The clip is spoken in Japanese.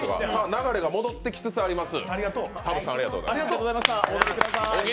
流れが戻ってきつつあります。